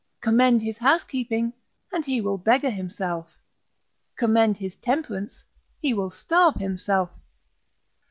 Commend his housekeeping, and he will beggar himself; commend his temperance, he will starve himself.